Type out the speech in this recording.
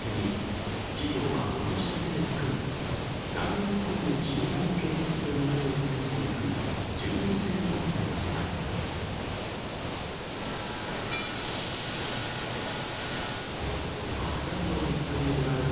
歴史的な物価上昇をきっかけに、企業はことしだけでなく、来年以降も賃上げを継続する流れを作っていく重要性を訴えました。